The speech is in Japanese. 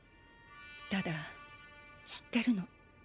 ただ知ってるの。